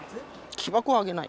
木箱はあげない。